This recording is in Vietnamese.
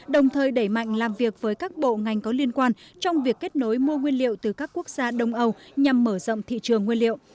đồng thời đẩy mạnh làm việc với các bộ ngành có liên quan trong việc kết nối mua nguyên liệu từ các quốc gia đông âu nhằm mở rộng thị trường nguyên liệu